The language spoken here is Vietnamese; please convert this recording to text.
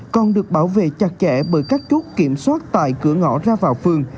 còn được bảo vệ chặt chẽ bởi các chốt kiểm soát tại cửa ngõ ra vào phường